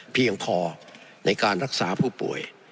เพียงพอในการรักษาผู้ป่วย